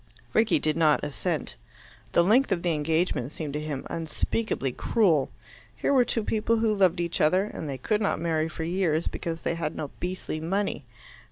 Rickie did not assent. The length of the engagement seemed to him unspeakably cruel. Here were two people who loved each other, and they could not marry for years because they had no beastly money.